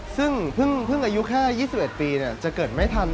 ซึ่งเพิ่งอายุแค่๒๑ปีจะเกิดไม่ทัน